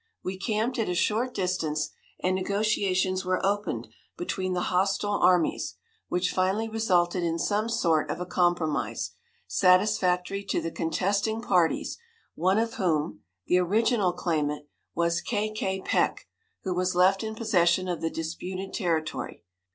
We camped at a short distance, and negotiations were opened between the hostile armies, which finally resulted in some sort of a compromise, satisfactory to the contesting parties, one of whom (the original claimant) was K. K. Peck, who was left in possession of the disputed territory.